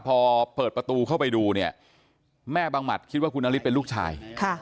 พอเปิดประตูเข้าไปดูเนี่ยแม่บังหมัดคิดว่าคุณนฤทธิเป็นลูกชาย